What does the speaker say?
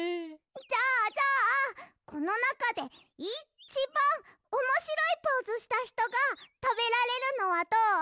じゃあじゃあこのなかでいっちばんおもしろいポーズしたひとがたべられるのはどう？